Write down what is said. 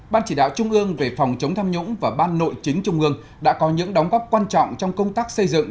ban chỉ đạo trung ương về phòng chống tham nhũng và ban nội chính trung ương đã có những đóng góp quan trọng trong công tác xây dựng